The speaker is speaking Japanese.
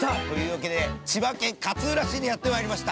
◆というわけで、千葉県勝浦市にやってまいりました。